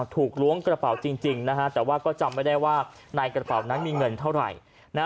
ล้วงกระเป๋าจริงนะฮะแต่ว่าก็จำไม่ได้ว่าในกระเป๋านั้นมีเงินเท่าไหร่